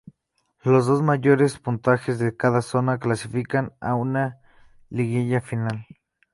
Los dos mayores puntajes de cada zona clasificaban a una liguilla final.